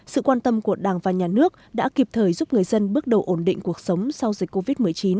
sự quan tâm của đảng và nhà nước đã kịp thời giúp người dân bước đầu ổn định cuộc sống sau dịch covid một mươi chín